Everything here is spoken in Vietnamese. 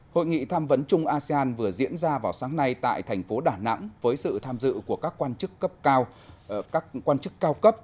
hội nghị tham vấn chung asean vừa diễn ra vào sáng nay tại thành phố đà nẵng với sự tham dự của các quan chức cao cấp